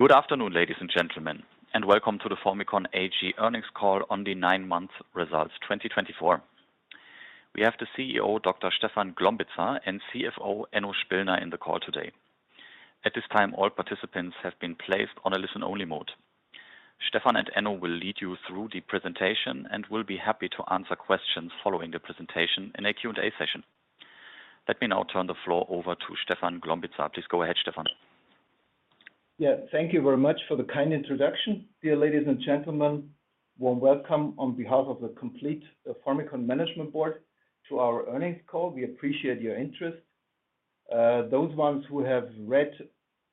Good afternoon, ladies and gentlemen, and welcome to the Formycon AG earnings call on the 9-month results 2024. We have the CEO, Dr. Stefan Glombitza, and CFO, Enno Spillner, in the call today. At this time, all participants have been placed on a listen-only mode. Stefan and Enno will lead you through the presentation and will be happy to answer questions following the presentation in a Q&A session. Let me now turn the floor over to Stefan Glombitza. Please go ahead, Stefan. Yeah, thank you very much for the kind introduction. Dear ladies and gentlemen, warm welcome on behalf of the complete Formycon Management Board to our earnings call. We appreciate your interest. Those ones who have read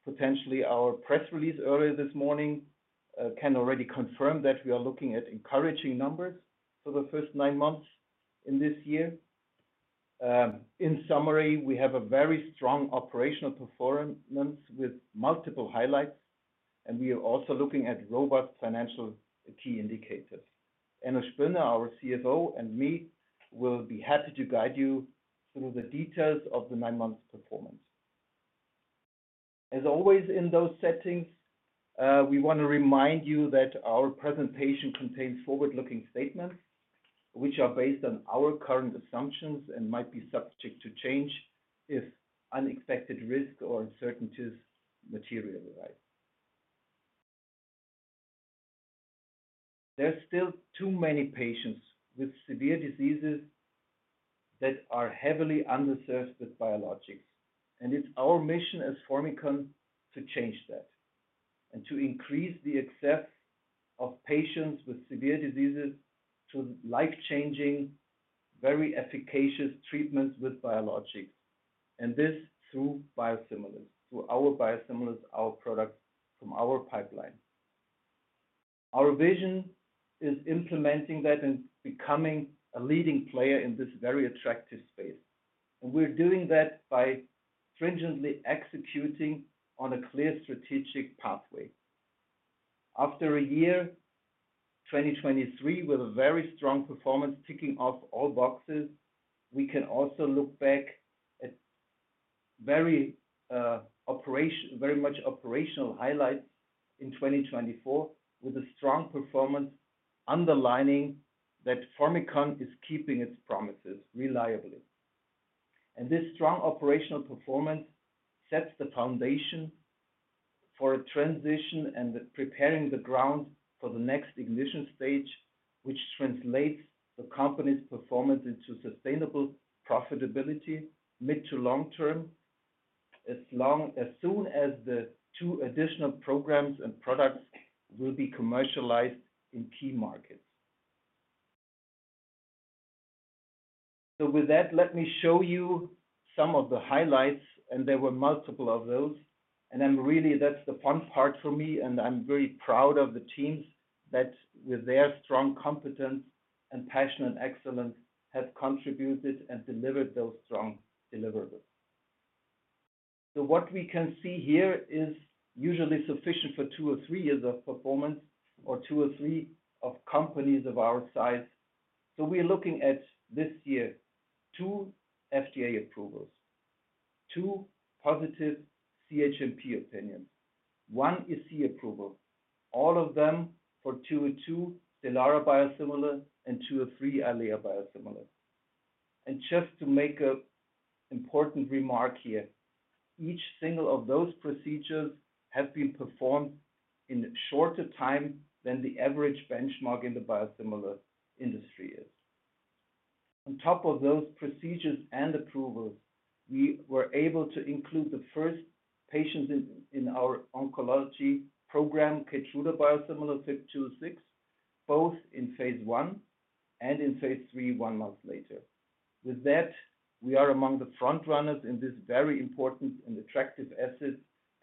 potentially our press release earlier this morning can already confirm that we are looking at encouraging numbers for the first nine months in this year. In summary, we have a very strong operational performance with multiple highlights, and we are also looking at robust financial key indicators. Enno Spillner, our CFO, and me will be happy to guide you through the details of the nine-month performance. As always in those settings, we want to remind you that our presentation contains forward-looking statements which are based on our current assumptions and might be subject to change if unexpected risks or uncertainties materialize. There are still too many patients with severe diseases that are heavily underserved with biologics, and it's our mission as Formycon to change that and to increase the access of patients with severe diseases to life-changing, very efficacious treatments with biologics, and this through biosimilars, through our biosimilars, our products from our pipeline. Our vision is implementing that and becoming a leading player in this very attractive space, and we're doing that by stringently executing on a clear strategic pathway. After a year, 2023, with a very strong performance ticking off all boxes, we can also look back at very much operational highlights in 2024 with a strong performance underlining that Formycon is keeping its promises reliably. This strong operational performance sets the foundation for a transition and preparing the ground for the next ignition stage, which translates the company's performance into sustainable profitability mid to long term as soon as the two additional programs and products will be commercialized in key markets. With that, let me show you some of the highlights, and there were multiple of those, and I'm really, that's the fun part for me, and I'm very proud of the teams that, with their strong competence and passion and excellence, have contributed and delivered those strong deliverables. What we can see here is usually sufficient for two or three years of performance or two or three of companies of our size. We're looking at this year, two FDA approvals, two positive CHMP opinions. One is EC approval, all of them for 202, Stelara biosimilar, and 203, Eylea biosimilar. Just to make an important remark here, each single of those procedures has been performed in shorter time than the average benchmark in the biosimilar industry is. On top of those procedures and approvals, we were able to include the first patients in our oncology program, Keytruda biosimilar FYB206, both in phase one and in phase three, one month later. With that, we are among the front runners in this very important and attractive asset,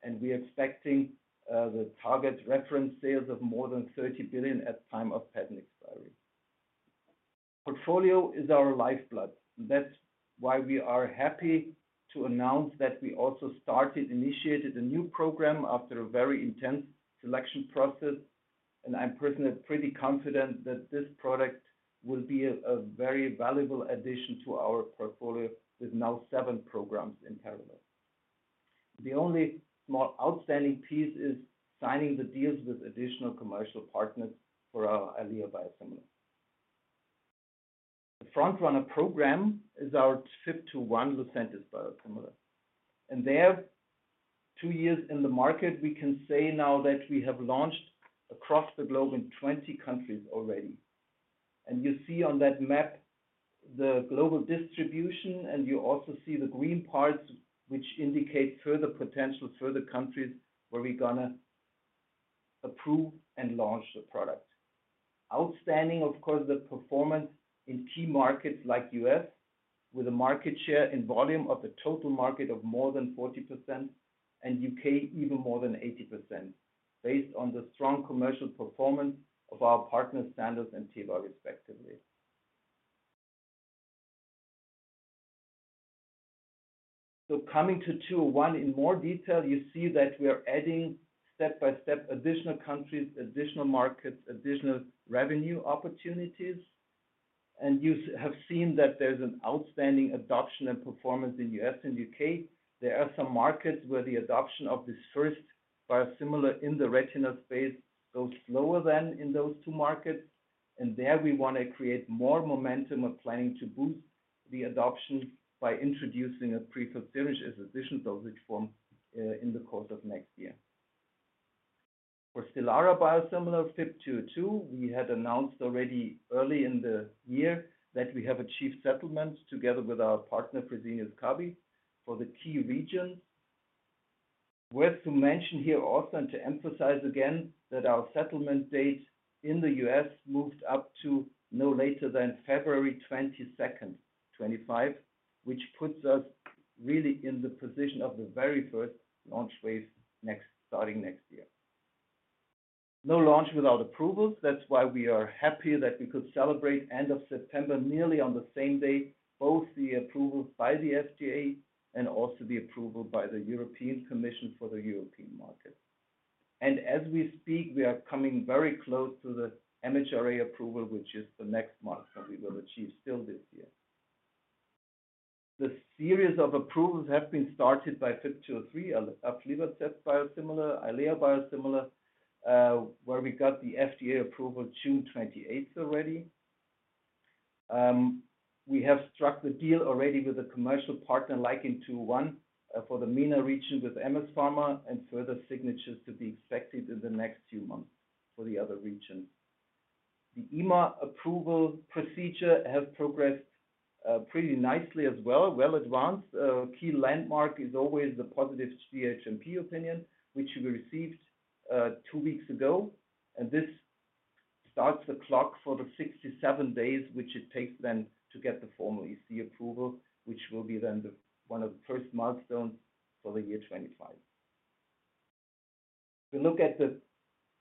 and we are expecting the target reference sales of more than $30 billion at the time of patent expiry. Portfolio is our lifeblood, and that's why we are happy to announce that we also started, initiated a new program after a very intense selection process, and I'm personally pretty confident that this product will be a very valuable addition to our portfolio with now seven programs in parallel. The only small outstanding piece is signing the deals with additional commercial partners for our Eylea biosimilar. The front runner program is our FYB201 Lucentis biosimilar, and there, two years in the market, we can say now that we have launched across the globe in 20 countries already. You see on that map the global distribution, and you also see the green parts which indicate further potential, further countries where we're going to approve and launch the product. Outstanding, of course, the performance in key markets like the U.S. with a market share in volume of the total market of more than 40% and the U.K. even more than 80% based on the strong commercial performance of our partners, Sandoz and Teva, respectively. Coming to FYB201 in more detail, you see that we are adding step by step additional countries, additional markets, additional revenue opportunities, and you have seen that there's an outstanding adoption and performance in the U.S. and the U.K. There are some markets where the adoption of this first biosimilar in the retinal space goes slower than in those two markets, and there we want to create more momentum of planning to boost the adoption by introducing a prefilled syringe as an additional dosage form in the course of next year. For Stelara biosimilar FYB202, we had announced already early in the year that we have achieved settlement together with our partner, Fresenius Kabi, for the key regions. is worth mentioning here also and to emphasize again that our settlement date in the US moved up to no later than February 22nd, 2025, which puts us really in the position of the very first launch wave starting next year. No launch without approvals. That is why we are happy that we could celebrate the end of September nearly on the same day, both the approval by the FDA and also the approval by the European Commission for the European market. As we speak, we are coming very close to the MHRA approval, which is the next milestone we will achieve still this year. The series of approvals have been started by FYB203, an aflibercept biosimilar, Eylea biosimilar, where we got the FDA approval June 28th already. We have struck the deal already with a commercial partner like in FYB201 for the MENA region with MS Pharma and further signatures to be expected in the next few months for the other regions. The EMA approval procedure has progressed pretty nicely as well, well advanced. A key landmark is always the positive CHMP opinion, which we received two weeks ago, and this starts the clock for the 67 days which it takes then to get the formal EC approval, which will be then one of the first milestones for the year 2025. We look at the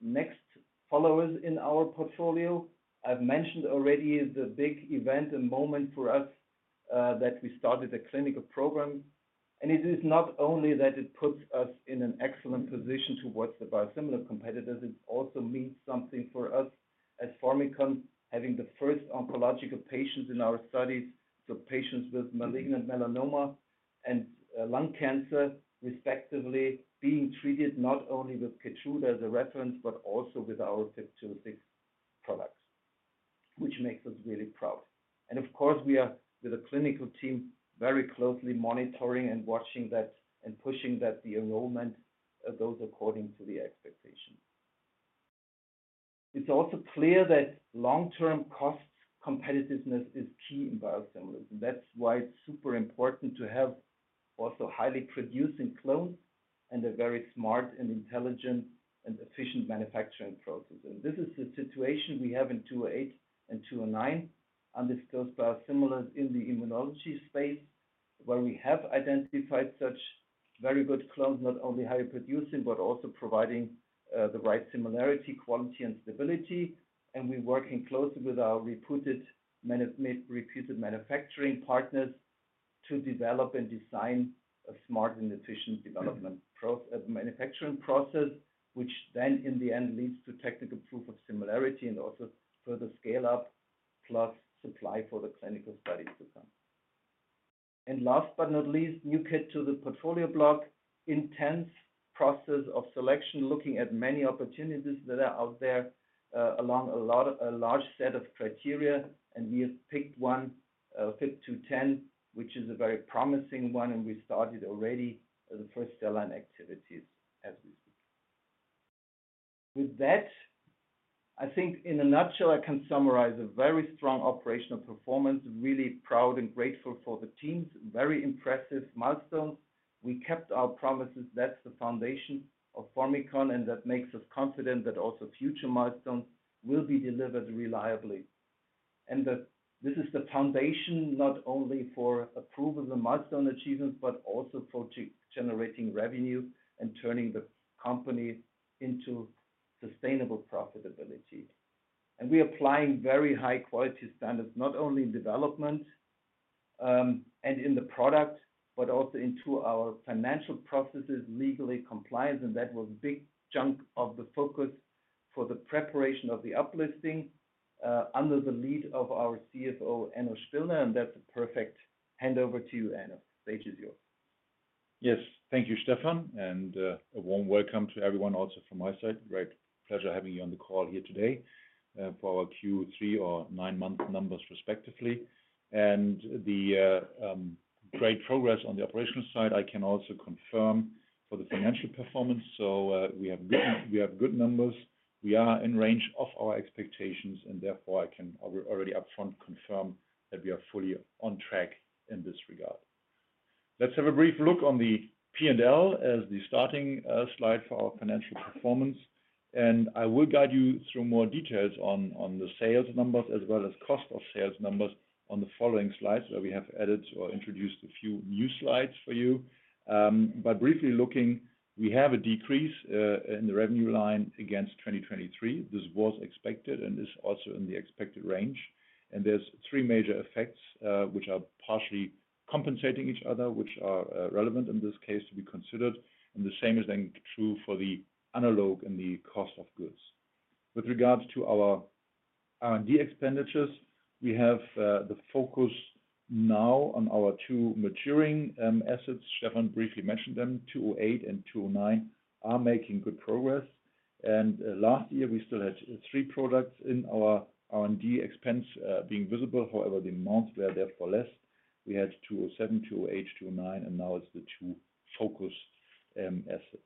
next followers in our portfolio. I've mentioned already the big event and moment for us that we started the clinical program, and it is not only that it puts us in an excellent position towards the biosimilar competitors, it also means something for us as Formycon having the first oncological patients in our studies, so patients with malignant melanoma and lung cancer, respectively, being treated not only with Keytruda as a reference but also with our FYB206 products, which makes us really proud. And of course, we are with a clinical team very closely monitoring and watching that and pushing that the enrollment goes according to the expectations. It's also clear that long-term cost competitiveness is key in biosimilars, and that's why it's super important to have also highly producing clones and a very smart and intelligent and efficient manufacturing process. This is the situation we have in FYB208 and FYB209 undisclosed biosimilars in the immunology space where we have identified such very good clones, not only highly producing but also providing the right similarity, quality, and stability, and we're working closely with our reputed manufacturing partners to develop and design a smart and efficient development manufacturing process, which then in the end leads to technical proof of similarity and also further scale-up plus supply for the clinical studies to come. Last but not least, new kid to the portfolio block, intensive process of selection looking at many opportunities that are out there along a large set of criteria, and we have picked one FYB210, which is a very promising one, and we started already the first R&D activities as we speak. With that, I think in a nutshell I can summarize a very strong operational performance, really proud and grateful for the teams, very impressive milestones. We kept our promises, that's the foundation of Formycon, and that makes us confident that also future milestones will be delivered reliably. And this is the foundation not only for approvals and milestone achievements but also for generating revenue and turning the company into sustainable profitability. And we are applying very high-quality standards not only in development and in the product but also into our financial processes, legally compliant, and that was a big chunk of the focus for the preparation of the uplisting under the lead of our CFO, Enno Spillner, and that's a perfect handover to you, Enno. Stage is yours. Yes, thank you, Stefan, and a warm welcome to everyone also from my side. Great pleasure having you on the call here today for our Q3 or nine-month numbers respectively, and the great progress on the operational side, I can also confirm for the financial performance, so we have good numbers. We are in range of our expectations, and therefore I can already upfront confirm that we are fully on track in this regard. Let's have a brief look on the P&L as the starting slide for our financial performance, and I will guide you through more details on the sales numbers as well as cost of sales numbers on the following slides where we have added or introduced a few new slides for you. By briefly looking, we have a decrease in the revenue line against 2023. This was expected and is also in the expected range, and there's three major effects which are partially compensating each other, which are relevant in this case to be considered, and the same is then true for the analog and the cost of goods. With regards to our R&D expenditures, we have the focus now on our two maturing assets. Stefan briefly mentioned them, 208 and 209, are making good progress, and last year we still had three products in our R&D expense being visible; however, the amounts were therefore less. We had 207, 208, 209, and now it's the two focused assets.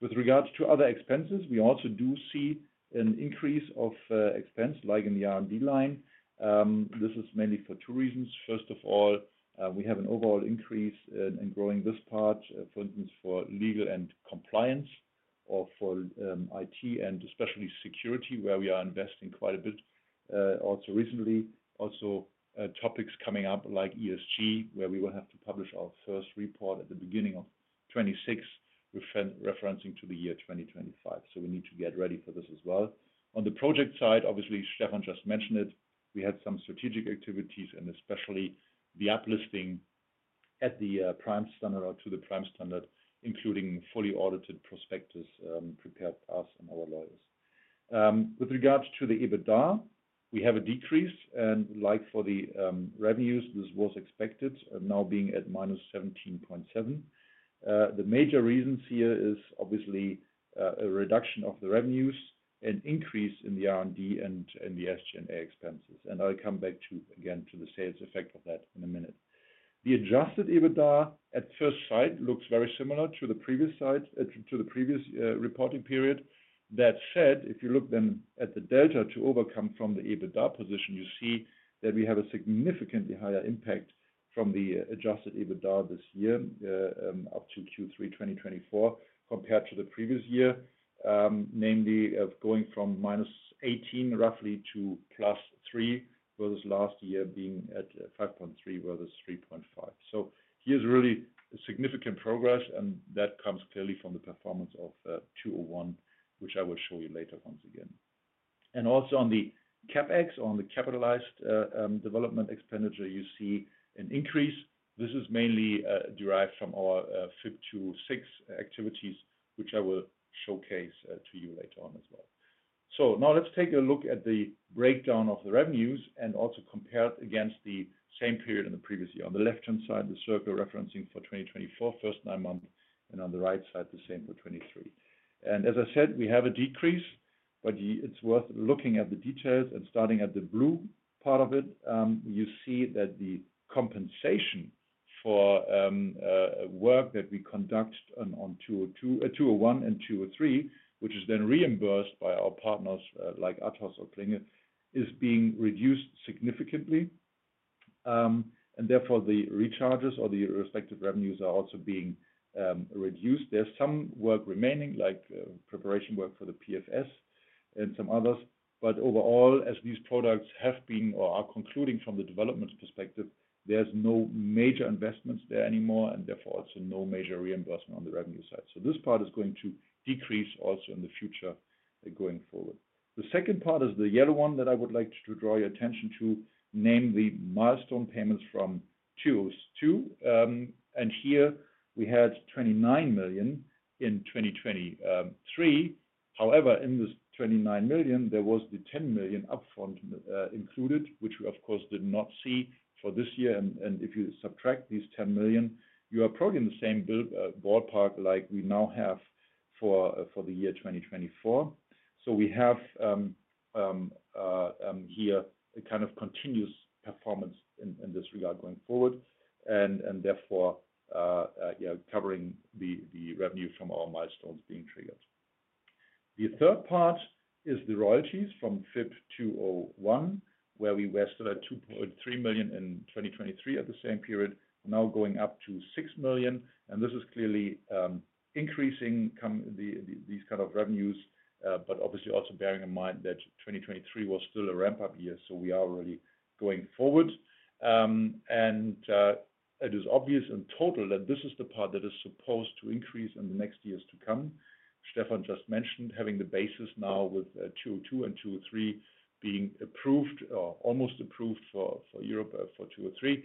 With regards to other expenses, we also do see an increase of expense like in the R&D line. This is mainly for two reasons. First of all, we have an overall increase in growing this part, for instance, for legal and compliance or for IT and especially security, where we are investing quite a bit also recently. Also, topics coming up like ESG, where we will have to publish our first report at the beginning of 2026, referencing to the year 2025. So we need to get ready for this as well. On the project side, obviously, Stefan just mentioned it, we had some strategic activities and especially the uplisting at the Prime Standard or to the Prime Standard, including fully audited prospectus prepared by us and our lawyers. With regards to the EBITDA, we have a decrease, and like for the revenues, this was expected now being at minus 17.7%. The major reasons here is obviously a reduction of the revenues and increase in the R&D and the SG&A expenses, and I'll come back to again to the sales effect of that in a minute. The adjusted EBITDA at first sight looks very similar to the previous reporting period. That said, if you look then at the delta to overcome from the EBITDA position, you see that we have a significantly higher impact from the adjusted EBITDA this year up to Q3 2024 compared to the previous year, namely going from minus 18 roughly to plus 3 versus last year being at 5.3 versus 3.5. So here's really significant progress, and that comes clearly from the performance of 201, which I will show you later once again. Also on the CapEx or on the capitalized development expenditure, you see an increase. This is mainly derived from our FYB206 activities, which I will showcase to you later on as well. So now let's take a look at the breakdown of the revenues and also compare it against the same period in the previous year. On the left-hand side, the circle referencing for 2024, first nine months, and on the right side, the same for 2023. And as I said, we have a decrease, but it's worth looking at the details and starting at the blue part of it. You see that the compensation for work that we conduct on FYB201 and FYB203, which is then reimbursed by our partners like Athos or Klinge, is being reduced significantly, and therefore the recharges or the respective revenues are also being reduced. There's some work remaining like preparation work for the PFS and some others, but overall, as these products have been or are concluding from the development perspective, there's no major investments there anymore and therefore also no major reimbursement on the revenue side. So this part is going to decrease also in the future going forward. The second part is the yellow one that I would like to draw your attention to, namely the milestone payments from FYB202, and here we had 29 million in 2023. However, in this 29 million, there was the 10 million upfront included, which we of course did not see for this year, and if you subtract these 10 million, you are probably in the same ballpark like we now have for the year 2024. We have here a kind of continuous performance in this regard going forward and therefore covering the revenue from our milestones being triggered. The third part is the royalties from FYB201, where we were still at 2.3 million in 2023 at the same period, now going up to 6 million, and this is clearly increasing these kind of revenues, but obviously also bearing in mind that 2023 was still a ramp-up year, so we are already going forward. It is obvious in total that this is the part that is supposed to increase in the next years to come. Stefan just mentioned having the basis now with 202 and 203 being approved or almost approved for Europe for 203,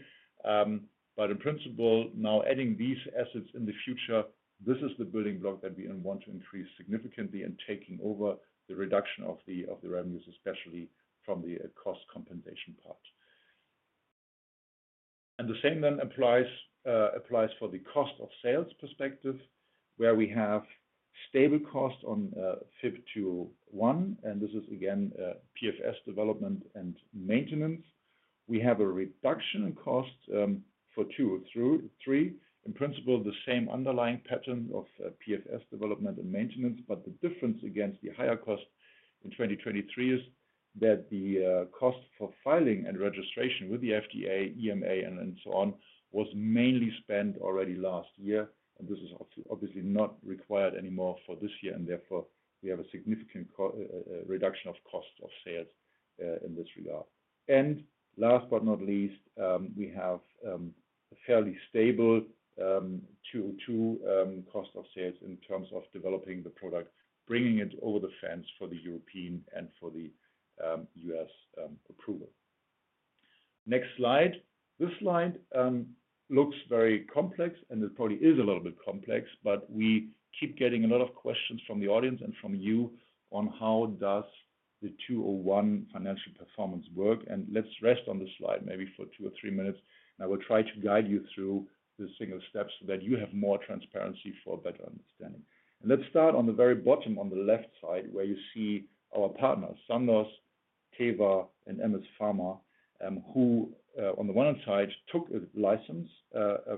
but in principle, now adding these assets in the future, this is the building block that we want to increase significantly and taking over the reduction of the revenues, especially from the cost compensation part, and the same then applies for the cost of sales perspective, where we have stable cost on FYB201, and this is again PFS development and maintenance. We have a reduction in cost for 203, in principle the same underlying pattern of PFS development and maintenance, but the difference against the higher cost in 2023 is that the cost for filing and registration with the FDA, EMA, and so on was mainly spent already last year, and this is obviously not required anymore for this year, and therefore we have a significant reduction of cost of sales in this regard. And last but not least, we have a fairly stable 202 cost of sales in terms of developing the product, bringing it over the fence for the European and for the US approval. Next slide. This slide looks very complex, and it probably is a little bit complex, but we keep getting a lot of questions from the audience and from you on how does the FYB201 financial performance work, and let's rest on this slide maybe for two or three minutes, and I will try to guide you through the single steps so that you have more transparency for better understanding, and let's start on the very bottom on the left side, where you see our partners, Sandoz, Teva, and MS Pharma, who on the one hand side took a license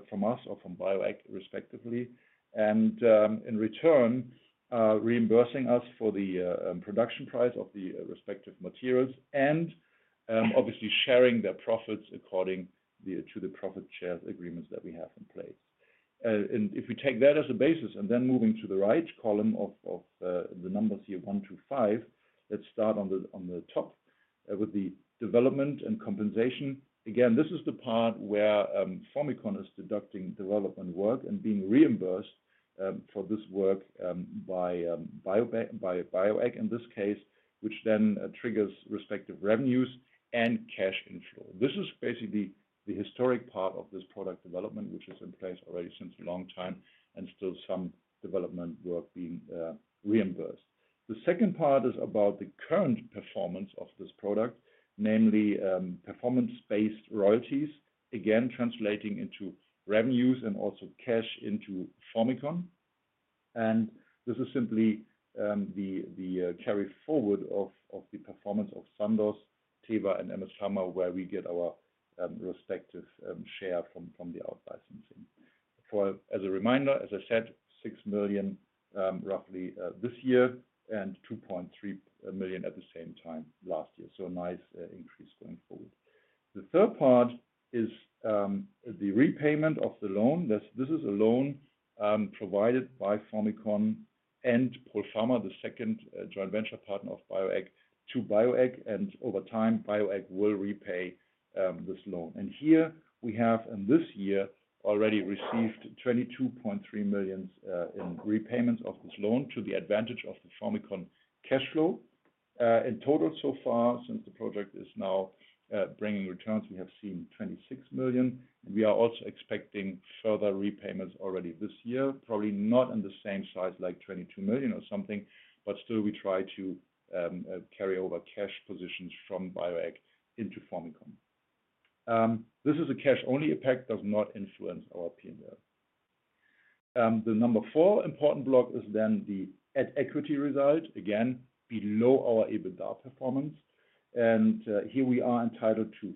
from us or from Bioeq respectively and in return reimbursing us for the production price of the respective materials and obviously sharing their profits according to the profit share agreements that we have in place. If we take that as a basis and then moving to the right column of the numbers here, one through five, let's start on the top with the development and compensation. Again, this is the part where Formycon is conducting development work and being reimbursed for this work by Bioeq AG in this case, which then triggers respective revenues and cash inflow. This is basically the historic part of this product development, which is in place already since a long time and still some development work being reimbursed. The second part is about the current performance of this product, namely performance-based royalties, again translating into revenues and also cash into Formycon, and this is simply the carry forward of the performance of Sandoz, Teva, and MS Pharma, where we get our respective share from the outlicensing. As a reminder, as I said, 6 million roughly this year and 2.3 million at the same time last year, so a nice increase going forward. The third part is the repayment of the loan. This is a loan provided by Formycon and Polpharma, the second joint venture partner of Bioeq AG, to Bioeq AG, and over time Bioeq AG will repay this loan. And here we have in this year already received 22.3 million in repayments of this loan to the advantage of the Formycon cash flow. In total so far, since the project is now bringing returns, we have seen 26 million, and we are also expecting further repayments already this year, probably not in the same size like 22 million or something, but still we try to carry over cash positions from Bioeq AG into Formycon. This is a cash-only effect, does not influence our P&L. The number four important block is then the equity result, again below our EBITDA performance, and here we are entitled to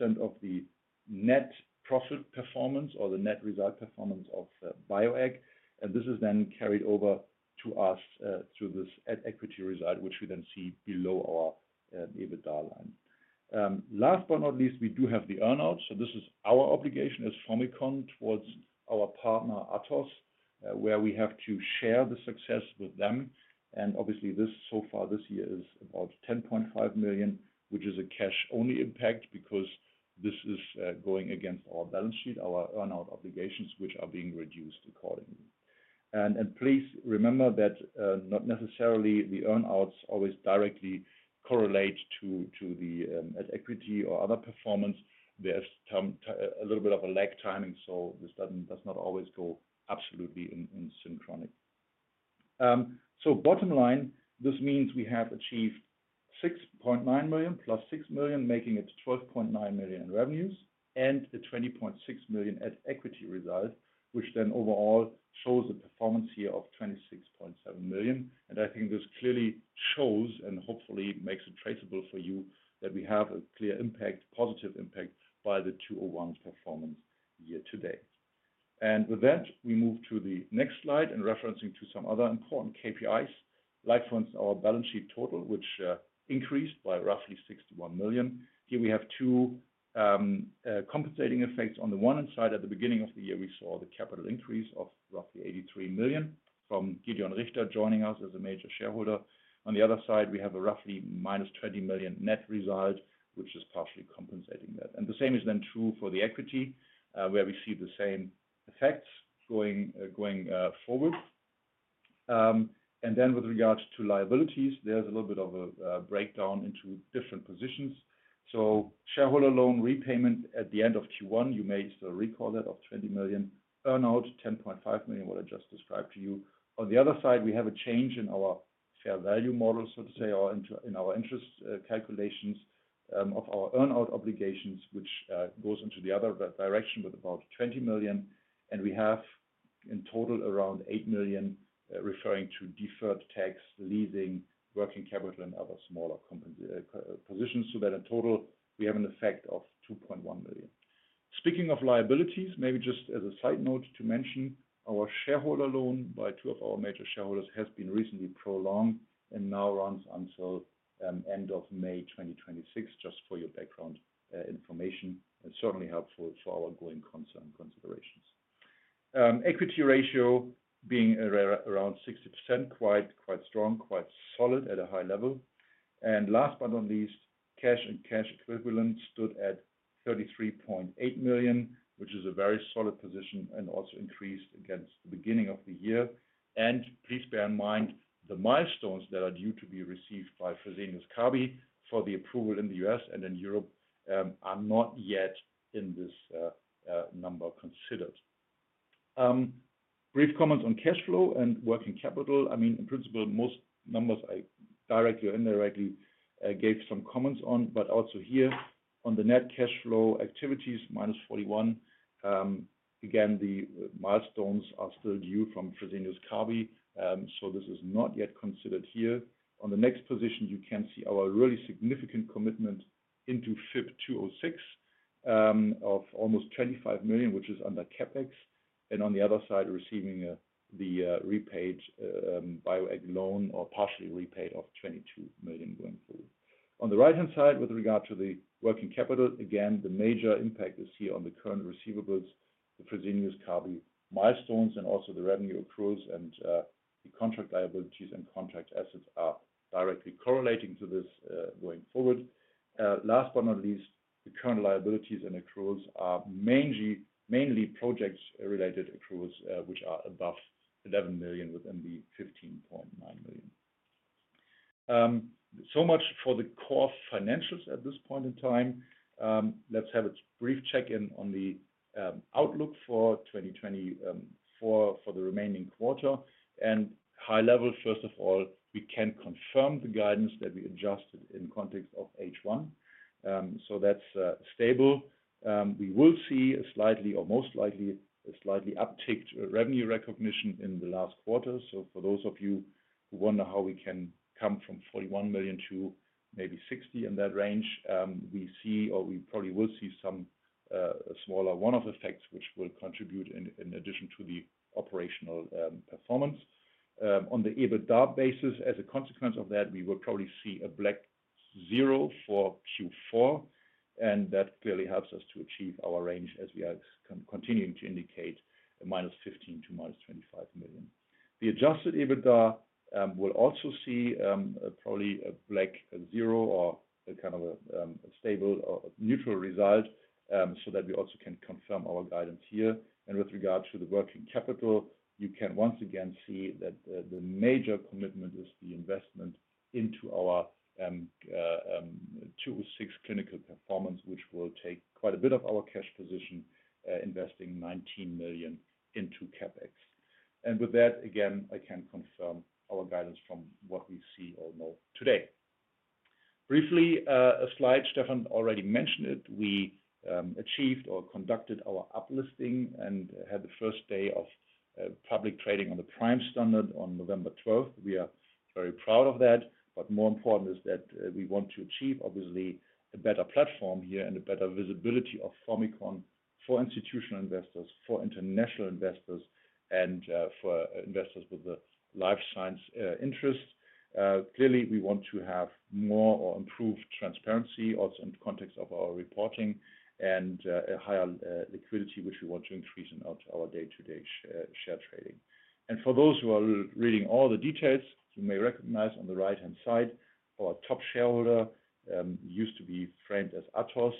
50% of the net profit performance or the net result performance of Bioeq AG, and this is then carried over to us through this equity result, which we then see below our EBITDA line. Last but not least, we do have the earnout, so this is our obligation as Formycon towards our partner Athos, where we have to share the success with them, and obviously this so far this year is about 10.5 million, which is a cash-only impact because this is going against our balance sheet, our earnout obligations, which are being reduced accordingly. Please remember that not necessarily the earnouts always directly correlate to the equity or other performance. There's a little bit of a lag timing, so this does not always go absolutely in sync. So bottom line, this means we have achieved 6.9 million plus six million, making it 12.9 million in revenues and 20.6 million at equity result, which then overall shows a performance here of 26.7 million, and I think this clearly shows and hopefully makes it traceable for you that we have a clear impact, positive impact by the FYB201 performance year to date. And with that, we move to the next slide and referencing to some other important KPIs, like for instance our balance sheet total, which increased by roughly 61 million. Here we have two compensating effects. On the one hand side, at the beginning of the year, we saw the capital increase of roughly 83 million from Gedeon Richter joining us as a major shareholder. On the other side, we have a roughly minus 20 million net result, which is partially compensating that. The same is then true for the equity, where we see the same effects going forward. Then with regards to liabilities, there's a little bit of a breakdown into different positions. So shareholder loan repayment at the end of Q1, you may still recall that of 20 million, earnout 10.5 million what I just described to you. On the other side, we have a change in our fair value model, so to say, or in our interest calculations of our earnout obligations, which goes into the other direction with about 20 million, and we have in total around 8 million referring to deferred tax, leasing, working capital, and other smaller positions so that in total we have an effect of 2.1 million. Speaking of liabilities, maybe just as a side note to mention, our shareholder loan by two of our major shareholders has been recently prolonged and now runs until end of May 2026, just for your background information and certainly helpful for our going concern considerations. Equity ratio being around 60%, quite strong, quite solid at a high level. And last but not least, cash and cash equivalent stood at 33.8 million, which is a very solid position and also increased against the beginning of the year. And please bear in mind the milestones that are due to be received by Fresenius Kabi for the approval in the U.S. and in Europe are not yet in this number considered. Brief comments on cash flow and working capital. I mean, in principle, most numbers I directly or indirectly gave some comments on, but also here on the net cash flow activities, minus 41 million. Again, the milestones are still due from Fresenius Kabi, so this is not yet considered here. On the next position, you can see our really significant commitment into FYB206 of almost 25 million, which is under CapEx, and on the other side, receiving the repaid Bioeq loan or partially repaid of 22 million going forward. On the right-hand side, with regard to the working capital, again, the major impact is here on the current receivables, the Fresenius Kabi milestones, and also the revenue accruals and the contract liabilities and contract assets are directly correlating to this going forward. Last but not least, the current liabilities and accruals are mainly project-related accruals, which are above 11 million within the 15.9 million. So much for the core financials at this point in time. Let's have a brief check-in on the outlook for 2024 for the remaining quarter. High level, first of all, we can confirm the guidance that we adjusted in context of H1, so that's stable. We will see a slightly, or most likely, a slightly upticked revenue recognition in the last quarter. For those of you who wonder how we can come from 41 million to maybe 60 million in that range, we see, or we probably will see some smaller one-off effects, which will contribute in addition to the operational performance. On the EBITDA basis, as a consequence of that, we will probably see a black zero for Q4, and that clearly helps us to achieve our range as we are continuing to indicate -15 million to -25 million. The adjusted EBITDA will also see probably a black zero or kind of a stable or neutral result so that we also can confirm our guidance here. And with regard to the working capital, you can once again see that the major commitment is the investment into our 206 clinical performance, which will take quite a bit of our cash position, investing 19 million into CapEx. And with that, again, I can confirm our guidance from what we see or know today. Briefly, a slide, Stefan already mentioned it. We achieved or conducted our uplisting and had the first day of public trading on the Prime Standard on November 12th. We are very proud of that, but more important is that we want to achieve, obviously, a better platform here and a better visibility of Formycon for institutional investors, for international investors, and for investors with a life science interest. Clearly, we want to have more or improve transparency also in the context of our reporting and a higher liquidity, which we want to increase in our day-to-day share trading. And for those who are reading all the details, you may recognize on the right-hand side, our top shareholder used to be framed as Athos,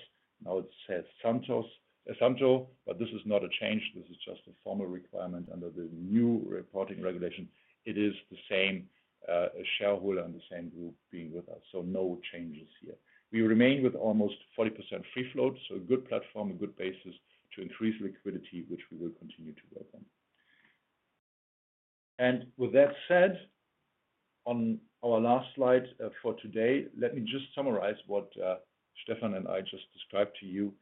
now it says Santo, but this is not a change. This is just a formal requirement under the new reporting regulation. It is the same shareholder and the same group being with us, so no changes here. We remain with almost 40% free float, so a good platform, a good basis to increase liquidity, which we will continue to work on. And with that said, on our last slide for today, let me just summarize what Stefan and I just described to you.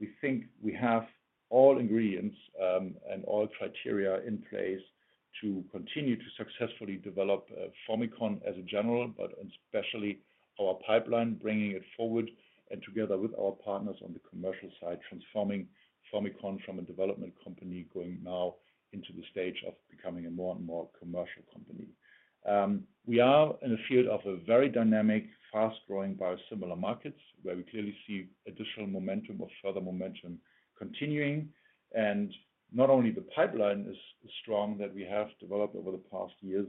We think we have all ingredients and all criteria in place to continue to successfully develop Formycon as a general, but especially our pipeline, bringing it forward and together with our partners on the commercial side, transforming Formycon from a development company going now into the stage of becoming a more and more commercial company. We are in a field of a very dynamic, fast-growing biosimilar markets where we clearly see additional momentum or further momentum continuing, and not only the pipeline is strong that we have developed over the past years,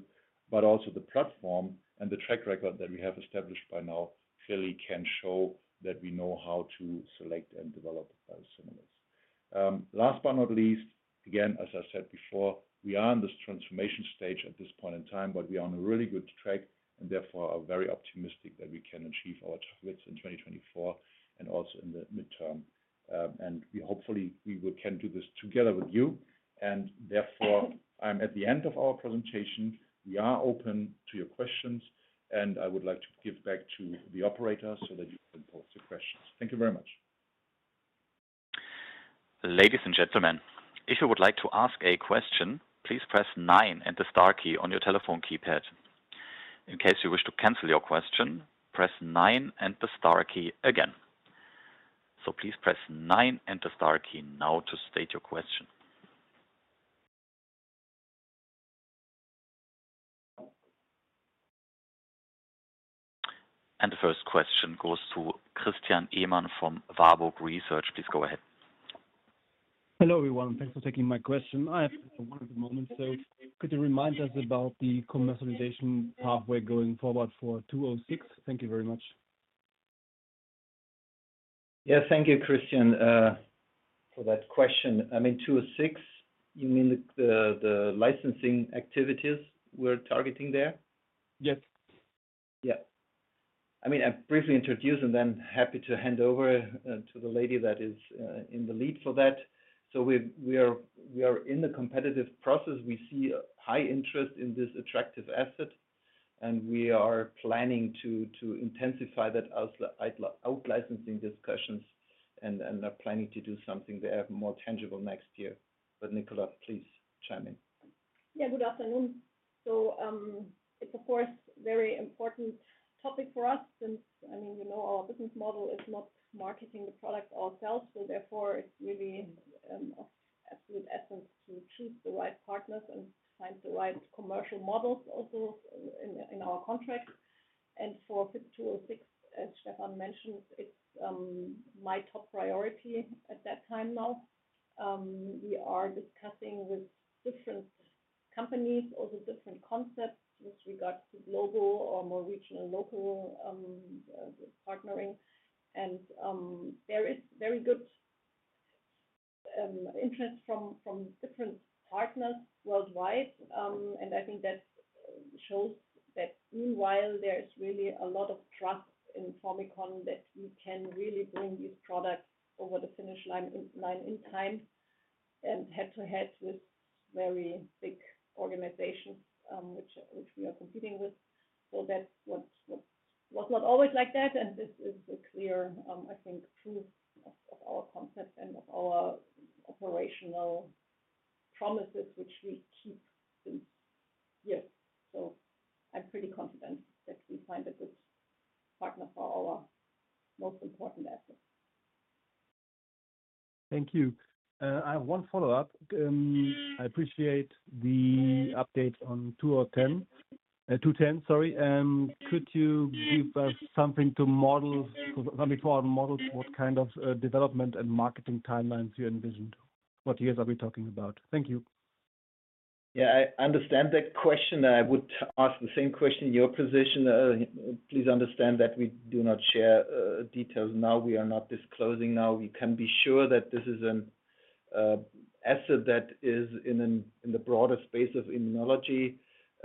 but also the platform and the track record that we have established by now clearly can show that we know how to select and develop biosimilars. Last but not least, again, as I said before, we are in this transformation stage at this point in time, but we are on a really good track and therefore are very optimistic that we can achieve our targets in 2024 and also in the midterm. And hopefully, we can do this together with you. And therefore, I'm at the end of our presentation. We are open to your questions, and I would like to give back to the operators so that you can post your questions. Thank you very much. Ladies and gentlemen, if you would like to ask a question, please press ninone and the star key on your telephone keypad. In case you wish to cancel your question, press nine and the star key again. So please press nine and the star key now to state your question. And the first question goes to Christian Ehmann from Warburg Research. Please go ahead. Hello everyone, thanks for taking my question. I have one at the moment, so could you remind us about the commercialization pathway going forward for 206? Thank you very much. Yeah, thank you, Christian, for that question. I mean, 206, you mean the licensing activities we're targeting there? Yes. Yeah. I mean, I briefly introduced and then happy to hand over to the lady that is in the lead for that. So we are in the competitive process. We see high interest in this attractive asset, and we are planning to intensify that outlicensing discussions and are planning to do something there more tangible next year. But Nicola, please chime in. Yeah, good afternoon. It's, of course, a very important topic for us since, I mean, you know, our business model is not marketing the product ourselves, so therefore it's really of absolute essence to choose the right partners and find the right commercial models also in our contracts. And for FYB206, as Stefan mentioned, it's my top priority at that time now. We are discussing with different companies, also different concepts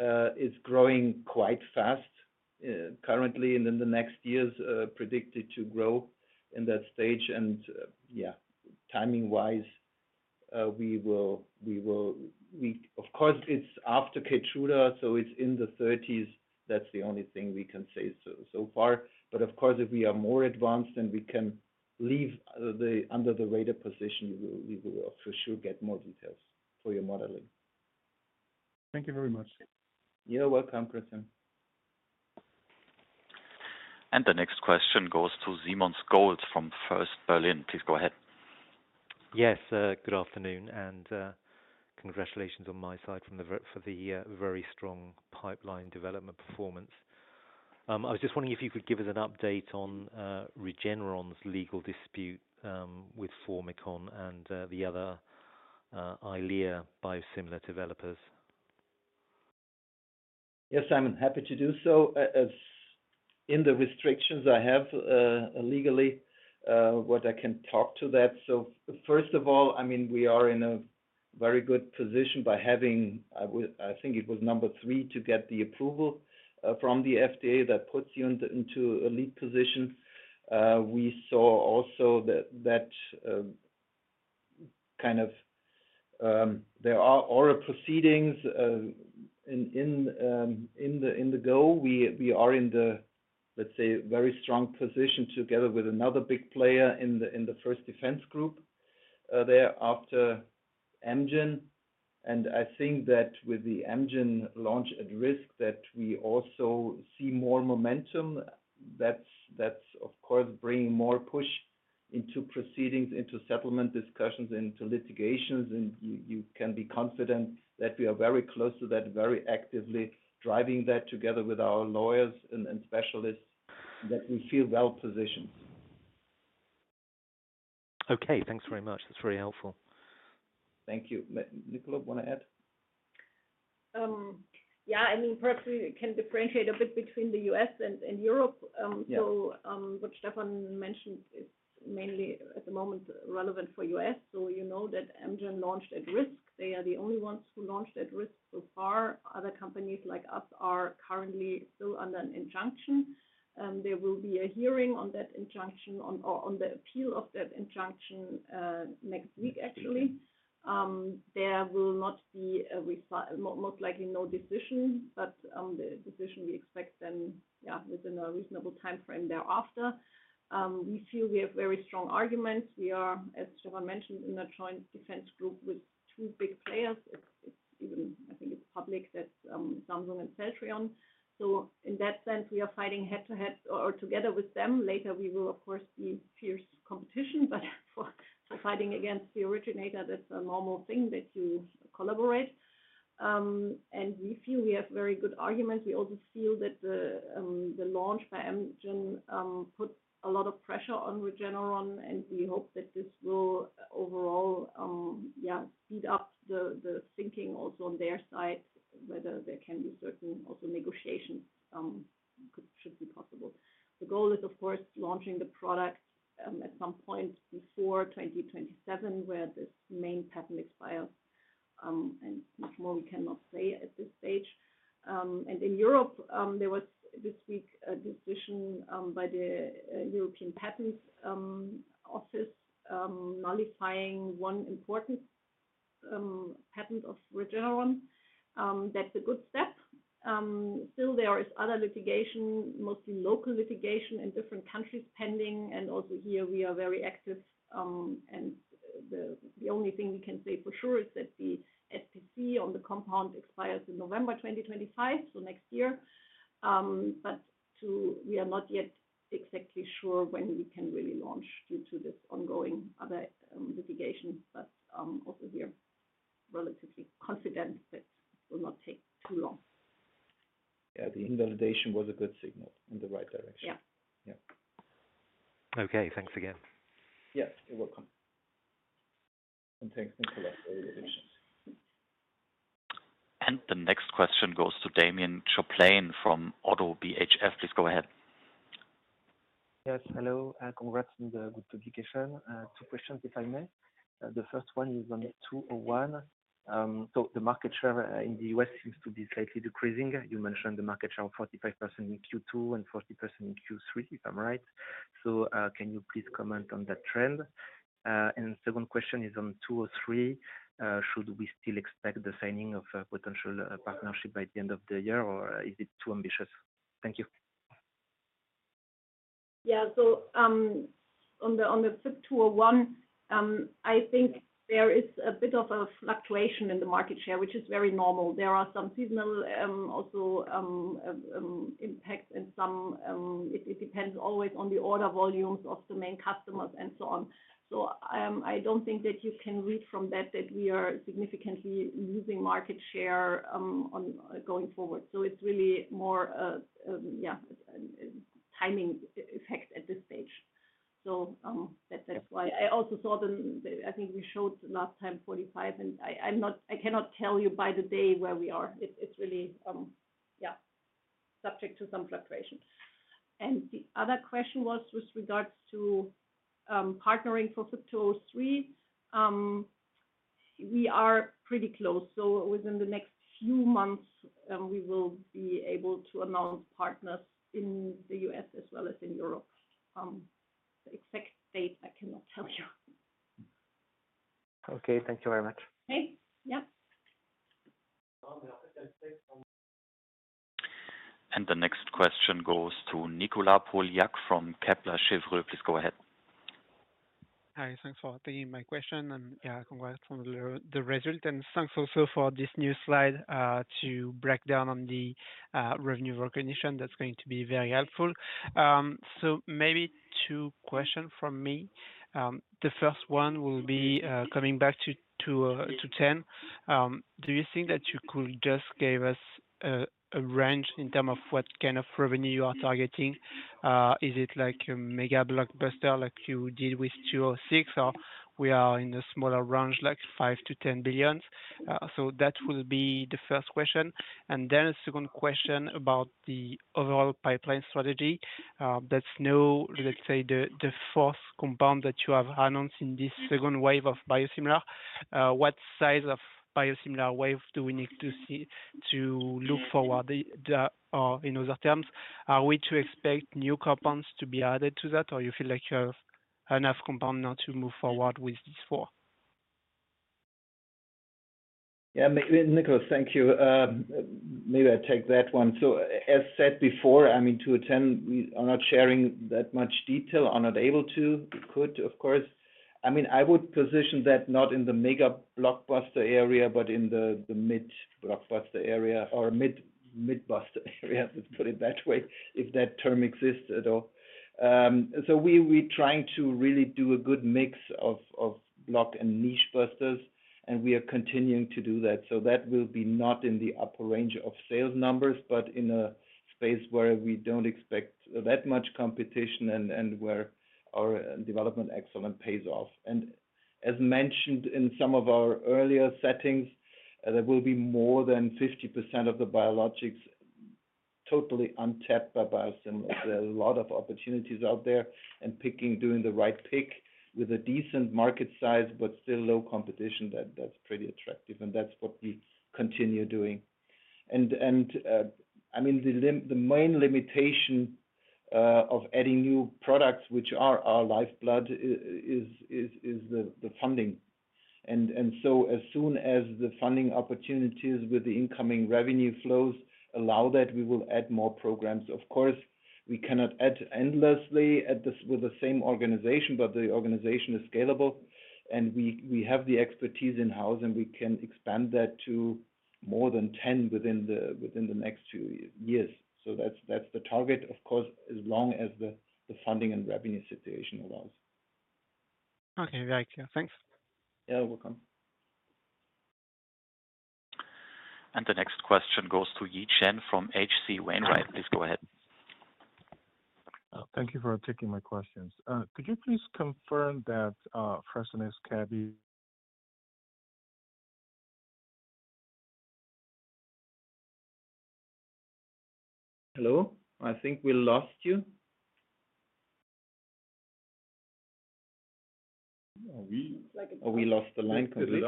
It's growing quite fast currently, and in the next years, predicted to grow in that stage. And yeah, timing-wise, we will, of course, it's after Keytruda, so it's in the 30s. That's the only thing we can say so far. But of course, if we are more advanced and we can leave under the radar position, we will for sure get more details for your modeling. Thank you very much. You're welcome, Christian. And the next question goes to Simon Scholes from First Berlin. Please go ahead. Yes, good afternoon, and congratulations on my side for the very strong pipeline development performance. I was just wondering if you could give us an update on Regeneron's legal dispute with Formycon and the other Eylea biosimilar developers. Yes, I'm happy to do so. In the restrictions I have legally, what I can talk to that. So first of all, I mean, we are in a very good position by having, I think it was number three to get the approval from the FDA. That puts you into a lead position. We saw also that kind of there are other proceedings in the queue. We are in the, let's say, very strong position together with another big player in the first defense group there after Amgen. And I think that with the Amgen launch at risk, that we also see more momentum. That's, of course, bringing more push into proceedings, into settlement discussions, into litigations. And you can be confident that we are very close to that, very actively driving that together with our lawyers and specialists, that we feel well positioned. Okay, thanks very much. That's very helpful. Thank you. Nicola, want to add? Yeah, I mean, perhaps we can differentiate a bit between the U.S. and Europe. So what Stefan mentioned is mainly at the moment relevant for U.S. So you know that Amgen launched at risk. They are the only ones who launched at risk so far. Other companies like us are currently still under an injunction. There will be a hearing on that injunction, on the appeal of that injunction next week, actually. There will not be, most likely, no decision, but the decision we expect then, yeah, within a reasonable timeframe thereafter. We feel we have very strong arguments. We are, as Stefan mentioned, in a joint defense group with two big players. It's even, I think it's public, that's Samsung and Celltrion. So in that sense, we are fighting head-to-head or together with them. Later, we will, of course, be fierce competition, but for fighting against the originator, that's a normal thing that you collaborate. And we feel we have very good arguments. We also feel that the launch by Amgen puts a lot of pressure on Regeneron, and we hope that this will overall, yeah, speed up the thinking also on their side, whether there can be certain also negotiations should be possible. The goal is, of course, launching the product at some point before 2027, where this main patent expires. And much more we cannot say at this stage. And in Europe, there was this week a decision by the European Patent Office nullifying one important patent of Regeneron. That's a good step. Still, there is other litigation, mostly local litigation in different countries pending. And also here, we are very active. The only thing we can say for sure is that the SPC on the compound expires in November 2025, so next year. But we are not yet exactly sure when we can really launch due to this ongoing other litigation. But also we are relatively confident that it will not take too long. Yeah, the invalidation was a good signal in the right direction. Yeah. Yeah. Okay, thanks again. Yeah, you're welcome. And thanks, Nicola. And the next question goes to Damien Choplain from Oddo BHF. Please go ahead. Yes, hello. Congrats on the good publication. Two questions, if I may. The first one is on 201. So the market share in the U.S. seems to be slightly decreasing. You mentioned the market share of 45% in Q2 and 40% in Q3, if I'm right. So can you please comment on that trend? And the second question is on 203. Should we still expect the signing of a potential partnership by the end of the year, or is it too ambitious? Thank you. Yeah, so on the FYB201, I think there is a bit of a fluctuation in the market share, which is very normal. There are some seasonal also impacts in some. It depends always on the order volumes of the main customers and so on. So I don't think that you can read from that that we are significantly losing market share going forward. So it's really more, yeah, timing effect at this stage. So that's why I also saw them. I think we showed last time 45%, and I cannot tell you by the day where we are. It's really, yeah, subject to some fluctuation. And the other question was with regards to partnering for FYB203. We are pretty close. So within the next few months, we will be able to announce partners in the U.S. as well as in Europe. The exact date, I cannot tell you. Okay, thank you very much. Okay, yeah. And the next question goes to Nicolas Pauillac from Kepler Cheuvreux. Please go ahead. Hi, thanks for taking my question. And yeah, congrats on the result. And thanks also for this new slide to break down on the revenue recognition. That's going to be very helpful. So maybe two questions from me. The first one will be coming back to 210. Do you think that you could just give us a range in terms of what kind of revenue you are targeting? Is it like a mega blockbuster like you did with 206, or we are in a smaller range like 5 to 10 billions? So that will be the first question. And then a second question about the overall pipeline strategy. That's no, let's say, the fourth compound that you have announced in this second wave of biosimilar. What size of biosimilar wave do we need to look forward? In other terms, are we to expect new compounds to be added to that, or you feel like you have enough compound now to move forward with these four? Yeah, Nicolas, thank you. Maybe I'll take that one. So as said before, I mean, 210, we are not sharing that much detail. I'm not able to. We could, of course. I mean, I would position that not in the mega blockbuster area, but in the mid blockbuster area or mid buster area, let's put it that way, if that term exists at all. We're trying to really do a good mix of blockbuster and niche busters, and we are continuing to do that. That will be not in the upper range of sales numbers, but in a space where we don't expect that much competition and where our development excellence pays off. As mentioned in some of our earlier statements, there will be more than 50% of the biologics totally untapped by biosimilars. There are a lot of opportunities out there and picking, doing the right pick with a decent market size, but still low competition. That's pretty attractive, and that's what we continue doing. I mean, the main limitation of adding new products, which are our lifeblood, is the funding. As soon as the funding opportunities with the incoming revenue flows allow that, we will add more programs. Of course, we cannot add endlessly with the same organization, but the organization is scalable, and we have the expertise in-house, and we can expand that to more than 10 within the next few years. So that's the target, of course, as long as the funding and revenue situation allows. Okay, thank you. Thanks. You're welcome. And the next question goes to Yi Chen from H.C. Wainwright. Please go ahead. Thank you for taking my questions. Could you please confirm that Fresenius is capped? Hello? I think we lost you. We lost the line completely.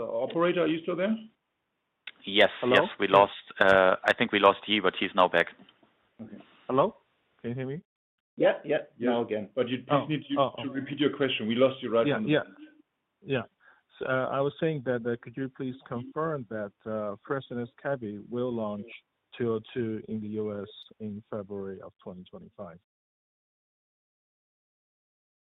Operator, are you still there? Yes. Yes, we lost. I think we lost you, but he's now back. Okay. Hello? Can you hear me? Yep, yep. Now again. But you need to repeat your question. We lost you right on the phone. Yeah. Yeah. I was saying that could you please confirm that Fresenius is capped? We'll launch 202 in the US in February of 2025.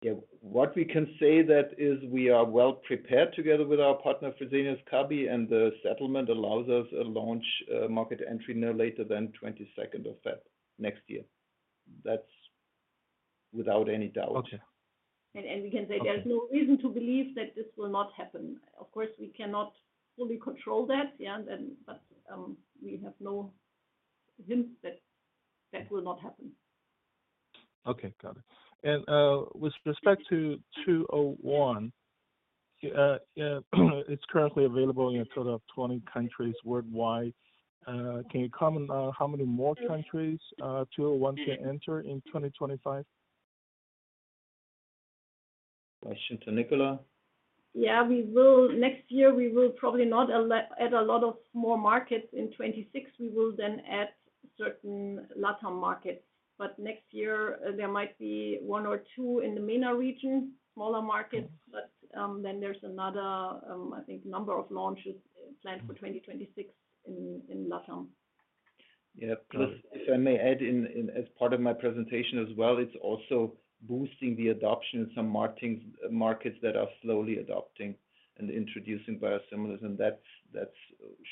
Yeah. What we can say that is we are well prepared together with our partner Fresenius Kabi, and the settlement allows us a launch market entry no later than 22nd of February next year. That's without any doubt. Okay. And we can say there's no reason to believe that this will not happen. Of course, we cannot fully control that, yeah, but we have no hint that that will not happen. Okay, got it. And with respect to 201, it's currently available in a total of 20 countries worldwide. Can you comment on how many more countries 201 can enter in 2025? Question to Nicolas. Yeah, next year, we will probably not add a lot of more markets. In 2026, we will then add certain LatAm markets. But next year, there might be one or two in the MENA region, smaller markets. But then there's another, I think, number of launches planned for 2026 in LatAm. Yeah. If I may add in as part of my presentation as well, it's also boosting the adoption in some markets that are slowly adopting and introducing biosimilars. And that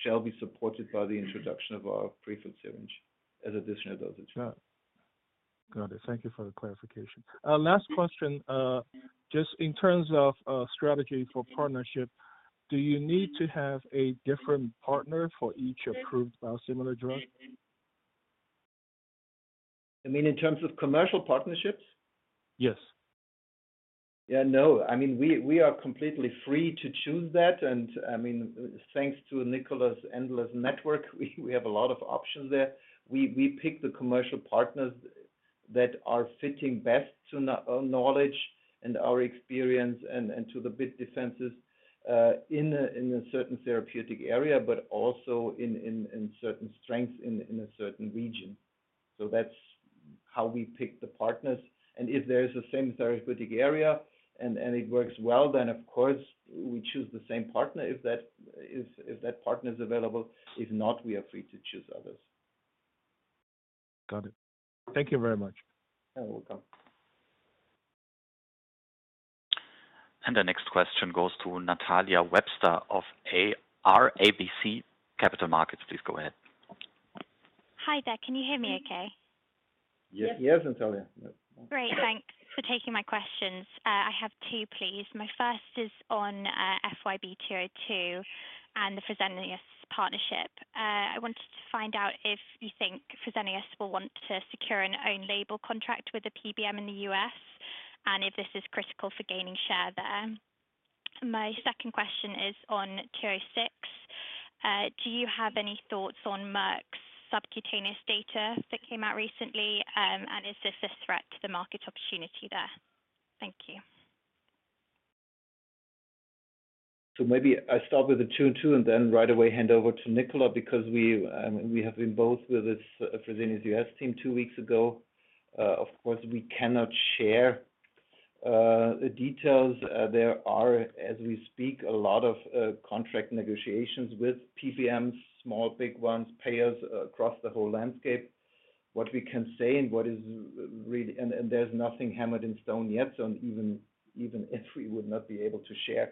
shall be supported by the introduction of our pre-filled syringe as additional dosage. Got it. Thank you for the clarification. Last question. Just in terms of strategy for partnership, do you need to have a different partner for each approved biosimilar drug? You mean in terms of commercial partnerships? Yes. Yeah, no. I mean, we are completely free to choose that. And I mean, thanks to Nicola's endless network, we have a lot of options there. We pick the commercial partners that are fitting best to our knowledge and our experience and to the bid defenses in a certain therapeutic area, but also in certain strengths in a certain region. So that's how we pick the partners. And if there is the same therapeutic area and it works well, then of course, we choose the same partner if that partner is available. If not, we are free to choose others. Got it. Thank you very much. You're welcome. And the next question goes to Natalya Webster of RBC Capital Markets. Please go ahead. Hi there. Can you hear me okay? Yes, Natalia. Great. Thanks for taking my questions. I have two, please. My first is on FYB202 and the Fresenius partnership. I wanted to find out if you think Fresenius will want to secure an own label contract with a PBM in the U.S. and if this is critical for gaining share there. My second question is on 206. Do you have any thoughts on Merck's subcutaneous data that came out recently, and is this a threat to the market opportunity there? Thank you. So maybe I start with the 202 and then right away hand over to Nicola because we have been both with this Fresenius U.S. team two weeks ago. Of course, we cannot share the details. There are, as we speak, a lot of contract negotiations with PBMs, small, big ones, payers across the whole landscape. What we can say and what is really, and there's nothing hammered in stone yet, so even if we would not be able to share.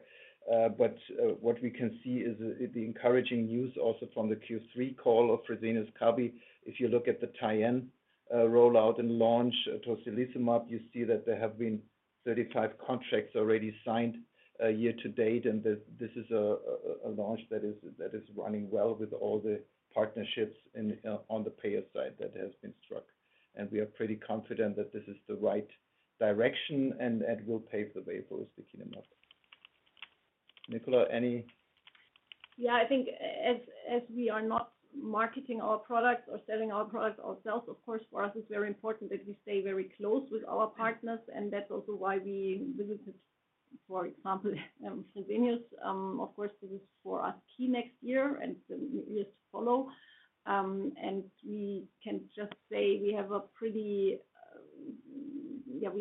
But what we can see is the encouraging news also from the Q3 call of Fresenius Kabi. If you look at the tie-in rollout and launch towards the US market, you see that there have been 35 contracts already signed year to date. And this is a launch that is running well with all the partnerships on the payer side that has been struck. And we are pretty confident that this is the right direction and will pave the way for us to keep them up. Nicolas, any? Yeah, I think as we are not marketing our products or selling our products ourselves, of course, for us, it's very important that we stay very close with our partners. And that's also why we visited, for example, Fresenius. Of course, this is for us key next year and the years to follow. We can just say we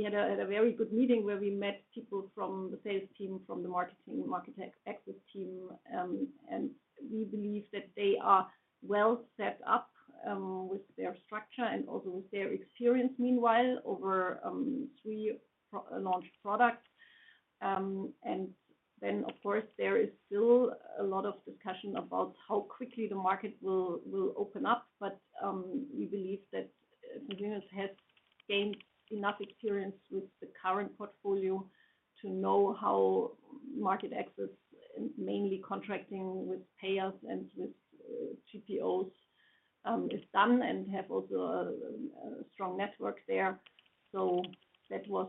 had a very good meeting where we met people from the sales team, from the marketing market access team. We believe that they are well set up with their structure and also with their experience meanwhile over three launch products. Then, of course, there is still a lot of discussion about how quickly the market will open up. We believe that Fresenius has gained enough experience with the current portfolio to know how market access, mainly contracting with payers and with GPOs, is done and have also a strong network there. That was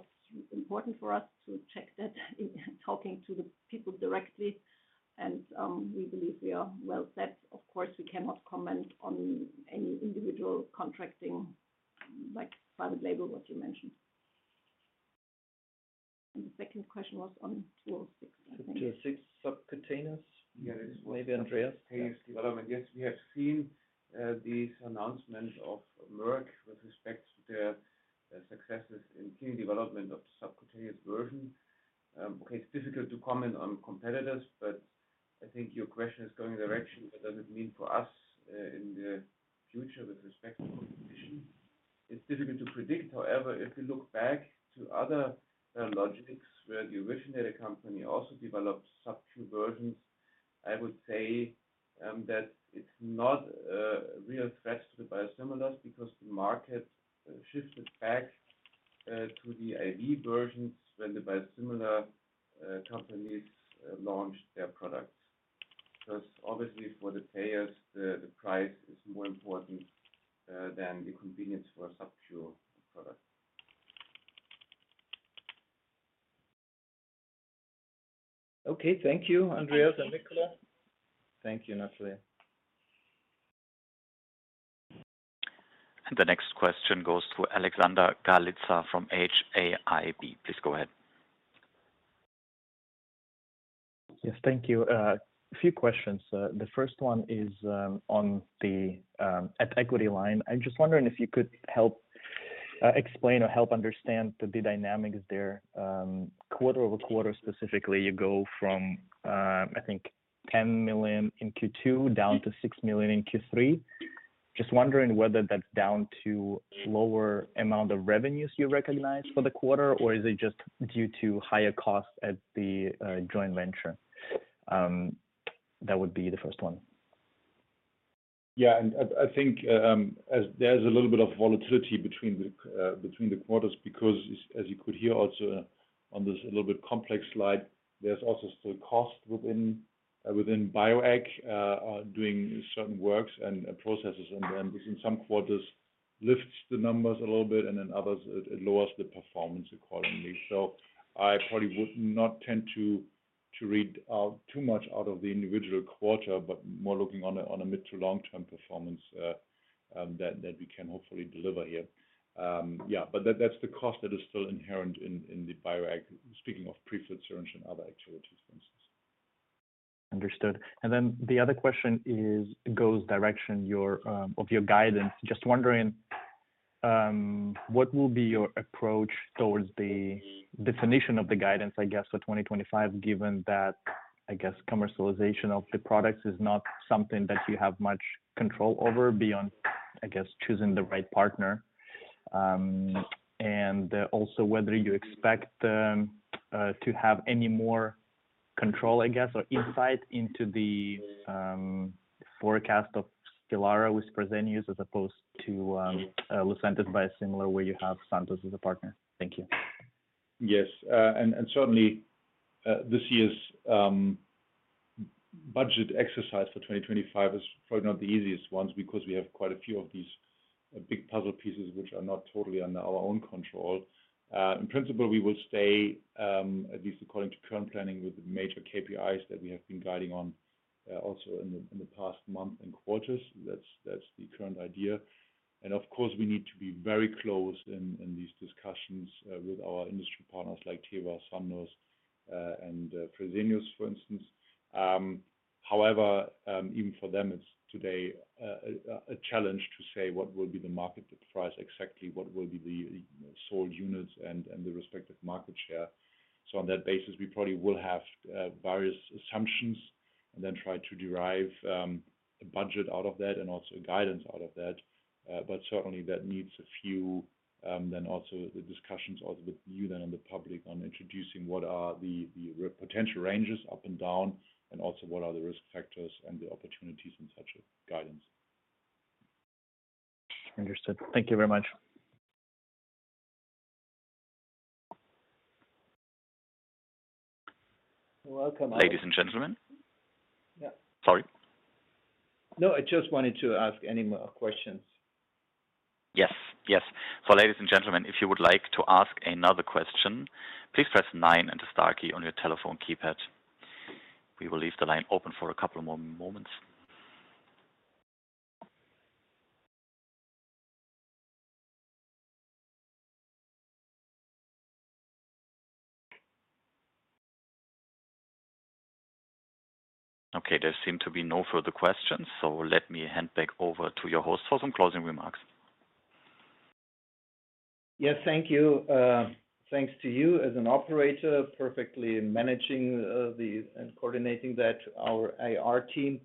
important for us to check that in talking to the people directly. We believe we are well set. Of course, we cannot comment on any individual contracting like private label, what you mentioned. The second question was on 206, I think. 206 subcutaneous. Yeah, it's way beyond that. Yes, we have seen these announcements of Merck with respect to their successes in clinical development of the subcutaneous version. Okay, it's difficult to comment on competitors, but I think your question is going in the direction that doesn't mean much for us in the future with respect to competition. It's difficult to predict. However, if you look back to other biologics where the originator company also developed subQ versions, I would say that it's not a real threat to the biosimilars because the market shifted back to the IV versions when the biosimilar companies launched their products. Because obviously, for the payers, the price is more important than the convenience for subQ products. Okay, thank you, Andreas and Nicolas. Thank you, Natalia. The next question goes to Alexander Galitsa from HAIB. Please go ahead. Yes, thank you. A few questions. The first one is on the equity line. I'm just wondering if you could help explain or help understand the dynamics there. Quarter over quarter specifically, you go from, I think, 10 million in Q2 down to 6 million in Q3. Just wondering whether that's down to lower amount of revenues you recognize for the quarter, or is it just due to higher costs at the joint venture? That would be the first one. Yeah, and I think there's a little bit of volatility between the quarters because, as you could hear also on this a little bit complex slide, there's also still cost within Bioeq doing certain works and processes. And in some quarters, it lifts the numbers a little bit, and in others, it lowers the performance accordingly. So I probably would not tend to read too much out of the individual quarter, but more looking on a mid- to long-term performance that we can hopefully deliver here. Yeah, but that's the cost that is still inherent in the Bioeq, speaking of pre-filled syringe and other activities, for instance. Understood. And then the other question goes in the direction of your guidance. Just wondering, what will be your approach towards the definition of the guidance, I guess, for 2025, given that, I guess, commercialization of the products is not something that you have much control over beyond, I guess, choosing the right partner? And also whether you expect to have any more control, I guess, or insight into the forecast of Stelara with Fresenius as opposed to Lucentis biosimilar where you have Sandoz as a partner. Thank you. Yes. Certainly, this year's budget exercise for 2025 is probably not the easiest ones because we have quite a few of these big puzzle pieces which are not totally under our own control. In principle, we will stay, at least according to current planning, with the major KPIs that we have been guiding on also in the past month and quarters. That's the current idea. Of course, we need to be very close in these discussions with our industry partners like Teva, Sandoz, and Fresenius, for instance. However, even for them, it's today a challenge to say what will be the market price exactly, what will be the sold units and the respective market share. On that basis, we probably will have various assumptions and then try to derive a budget out of that and also a guidance out of that. But certainly, that needs a few then also the discussions also with you then and the public on introducing what are the potential ranges up and down and also what are the risk factors and the opportunities and such guidance. Understood. Thank you very much. You're welcome. Ladies and gentlemen. Yeah. Sorry. No, I just wanted to ask any more questions. Yes. Yes. So ladies and gentlemen, if you would like to ask another question, please press nine and the star key on your telephone keypad. We will leave the line open for a couple more moments. Okay. There seem to be no further questions, so let me hand back over to your host for some closing remarks. Yes, thank you. Thanks to you as an operator, perfectly managing and coordinating that, our IR team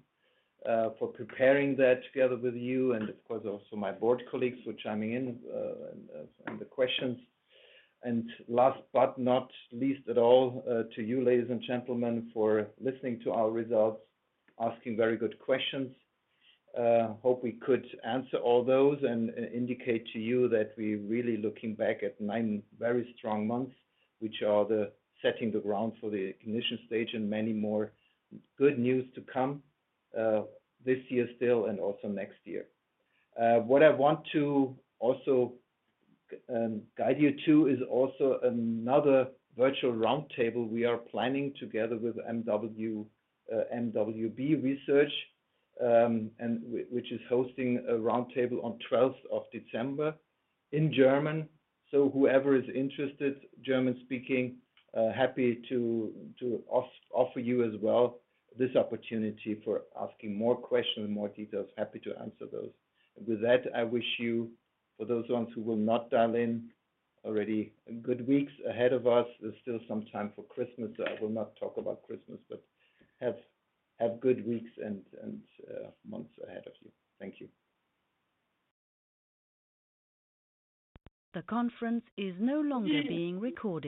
for preparing that together with you, and of course, also my board colleagues for chiming in and the questions, and last but not least at all, to you, ladies and gentlemen, for listening to our results, asking very good questions. Hope we could answer all those and indicate to you that we're really looking back at nine very strong months, which are setting the ground for the ignition stage and many more good news to come this year still and also next year. What I want to also guide you to is also another virtual roundtable we are planning together with mwb research, which is hosting a roundtable on 12th of December in German, whoever is interested, German-speaking, happy to offer you as well this opportunity for asking more questions and more details. Happy to answer those. And with that, I wish you, for those ones who will not dial in, already good weeks ahead of us. There's still some time for Christmas, so I will not talk about Christmas, but have good weeks and months ahead of you. Thank you. The conference is no longer being recorded.